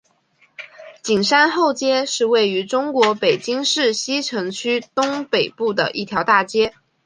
景山后街是位于中国北京市西城区东北部的一条大街。